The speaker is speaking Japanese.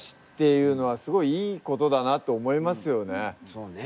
そうね。